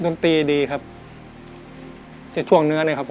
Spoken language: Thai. นี่คือช่วงเนื้อนี้ครับผม